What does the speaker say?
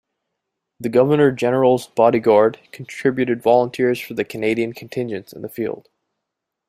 The Governor General's Body Guard contributed volunteers for the Canadian contingents in the field.